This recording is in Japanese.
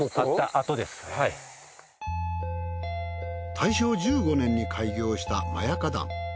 大正１５年に開業した摩耶花壇。